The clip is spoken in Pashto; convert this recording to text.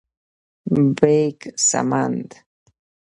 -بیک سمند: